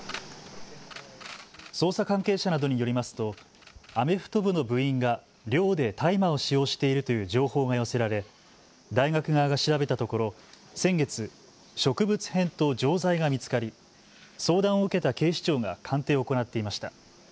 捜査関係者などによりますとアメフト部の部員が寮で大麻を使用しているという情報が寄せられ大学側が調べたところ、先月、植物片と錠剤が見つかり相談を受けた警視庁が鑑定を行っていました。